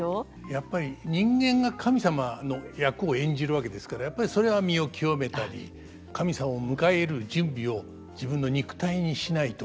やっぱり人間が神様の役を演じるわけですからやっぱりそれは身を清めたり神様を迎え入れる準備を自分の肉体にしないと。